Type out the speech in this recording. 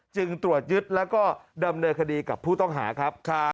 จึงตรวจยึดและดำเนิดคดีกับผู้ต้องหา